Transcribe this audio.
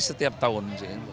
setiap tahun sih